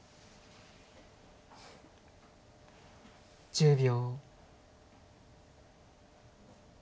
１０秒。